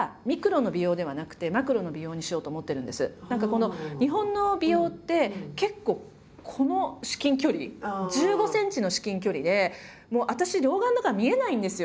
それは日本の美容って結構この至近距離１５ｃｍの至近距離でもう私老眼だから見えないんですよ